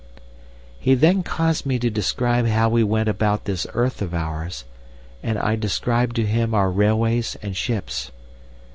] "He then caused me to describe how we went about this earth of ours, and I described to him our railways and ships.